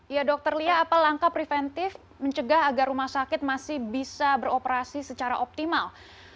ya dokter lia apa langkah preventif mencegah agar rumah sakit masih bisa beroperasi secara optimal